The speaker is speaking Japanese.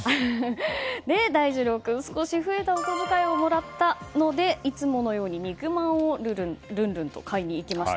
大二郎君、少し増えたお小遣いをもらったのでいつものように肉まんをルンルンと買いに行きました。